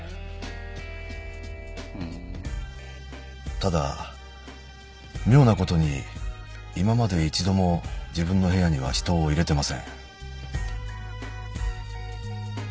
ただ妙なことに今まで一度も自分の部屋には人を入れてません。